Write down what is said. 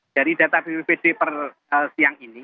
dari data bppd per siang ini